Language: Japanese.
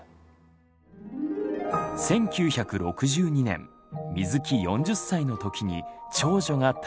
１９６２年水木４０歳の時に長女が誕生。